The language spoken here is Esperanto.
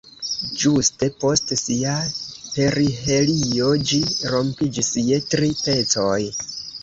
Ĝuste post sia perihelio ĝi rompiĝis je tri pecoj.